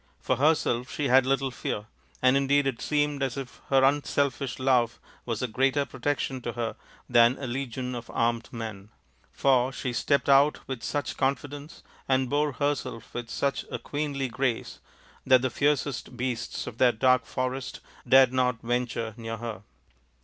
For herself she had little fear, and indeed it seemed as if her unselfish love was a greater protection to her than a legion of armed men ; for she stepped out with such confidence and bore herself with such a queenly grace that the fiercest beasts of that dark forest dared not venture near her.